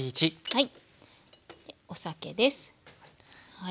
はい。